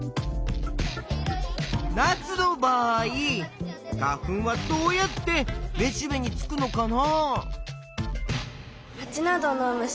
ナスの場合花粉はどうやってめしべにつくのかな？